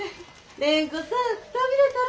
蓮子さんくたびれたら？